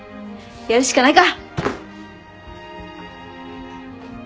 やるしかないか！